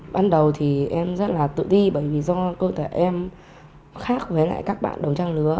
ban đầu thì em rất là tự ti bởi vì do cơ thể em khác với lại các bạn đầu trang lứa